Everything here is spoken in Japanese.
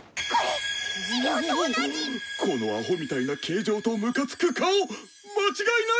このアホみたいな形状とムカつく顔間違いない！